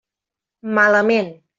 Malament.